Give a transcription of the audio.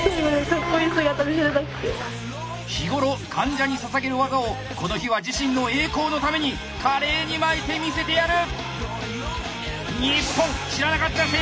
日頃患者にささげる技をこの日は自身の栄光のために華麗に巻いてみせてやる！